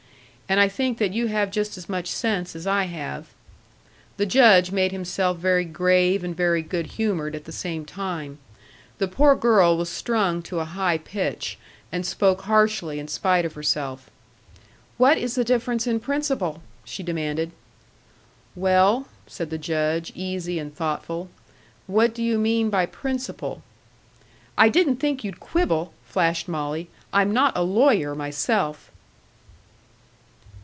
And I think that you have just as much sense as I have." The Judge made himself very grave and very good humored at the same time. The poor girl was strung to a high pitch, and spoke harshly in spite of herself. "What is the difference in principle?" she demanded. "Well," said the Judge, easy and thoughtful, "what do you mean by principle?" "I didn't think you'd quibble," flashed Molly. "I'm not a lawyer myself."